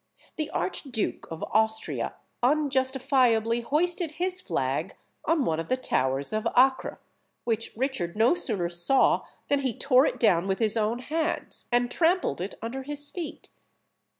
The Archduke of Austria unjustifiably hoisted his flag on one of the towers of Acre, which Richard no sooner saw than he tore it down with his own hands, and trampled it under his feet.